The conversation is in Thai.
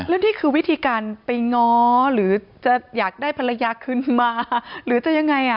แล้วนี่คือวิธีการไปง้อหรือจะอยากได้ภรรยาขึ้นมาหรือจะยังไง